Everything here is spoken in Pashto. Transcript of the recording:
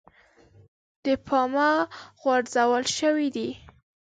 د پامه غورځول شوی دی.